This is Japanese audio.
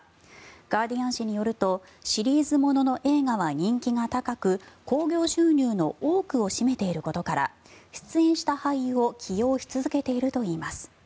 ガーディアン紙によるとシリーズ物の映画は人気が高く興行収入の多くを占めていることから出演した俳優を起用し続けているといいます。